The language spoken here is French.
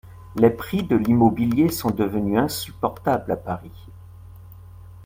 Les prix de l'immobilier sont devenus insupportables à Paris.